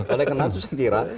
oleh karena itu saya kira